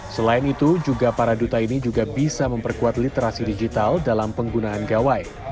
selain itu juga para duta ini juga bisa memperkuat literasi digital dalam penggunaan gawai